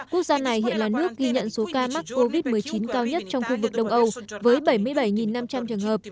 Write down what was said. quốc gia này hiện là nước ghi nhận số ca mắc covid một mươi chín cao nhất trong khu vực đông âu với bảy mươi bảy năm trăm linh trường hợp